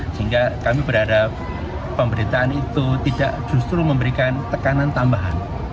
sehingga kami berharap pemberitaan itu tidak justru memberikan tekanan tambahan